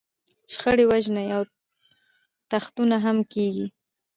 شخړې، وژنې او تښتونه هم کېږي.